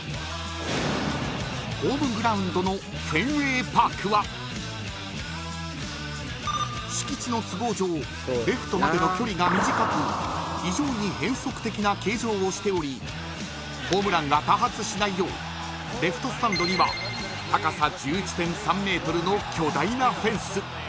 ホームグラウンドのフェンウェイパークは敷地の都合上レフトまでの距離が短く非常に変則的な形状をしておりホームランが多発しないようレフトスタンドには高さ１１．３メートルの巨大なフェンス。